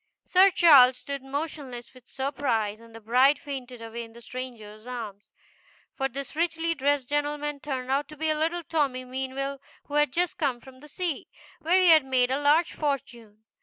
Sir Charles stood motionless with surprise, and the bride fainted away in the stranger's arms. For this richly dressed gentleman turned out to be little Tommy Meanwell, who had just come from sea, where he had made a large fortune.